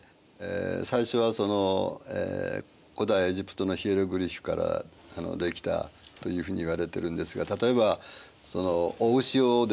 最初は古代エジプトのヒエログリフからできたというふうにいわれてるんですが例えばその雄牛をですね